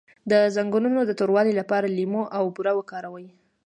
د زنګونونو د توروالي لپاره لیمو او بوره وکاروئ